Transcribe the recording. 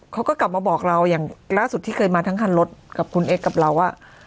เขาก็กลับมาบอกเราอย่างล่าสุดที่เคยมาทั้งคันรถกับคุณเอ็กซกับเราว่า